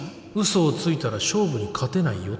「嘘をついたら勝負に勝てないよ」